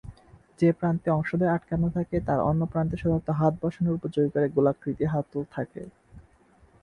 যে প্রান্তে অংশদ্বয় আটকানো থাকে, তার অন্য প্রান্তে সাধারণত হাত বসানোর উপযোগী করে গোলাকৃতি হাতল থাকে।